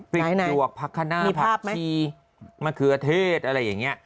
พริกหลวกผักคณะมีผักชีมะเขือเทศอะไรอย่างนี้